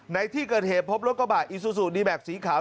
ในที่เกิดเหตุพบรถกระบะอีซูซูดีแม็กสีขาว